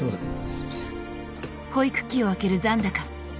すいません。